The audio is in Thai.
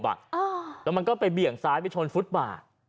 แล้วมันก็ไปเบี่ยงซ้ายไปชนฟุตบาท